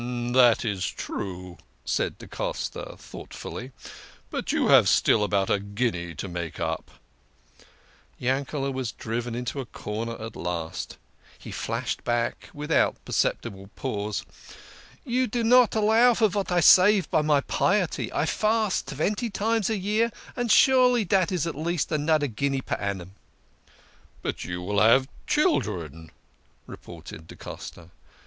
" That is true," said da Costa thoughtfully. " But you have still about a guinea to make up." Yankete was driven into a corner at last. But he flashed 'THE TREMBLING JEW. 78 THE KING OF SCHNORRERS. back, without perceptible pause, " You do not allow for vat I save by my piety. I fast twenty times a year, and surely dat is at least anoder guinea per annum." " But you will have children," retorted da Costa.